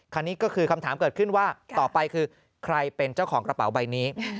คันนี้ก็คือคำถามเกิดขึ้นว่าต่อไปคือใครเป็นเจ้าของกระเป๋าใบนี้